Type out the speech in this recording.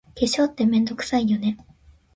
化粧って、めんどくさいよね。